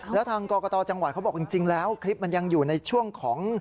แล้วทางกรกตจังหวัดเขาบอกจริงแล้วคลิปมันยังอยู่ในช่วงของ